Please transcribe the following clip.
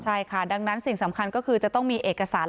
ใช่ค่ะดังนั้นสิ่งสำคัญก็คือจะต้องมีเอกสาร